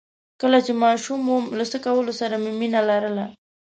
کله چې ماشوم وم له څه کولو سره مې مينه لرله؟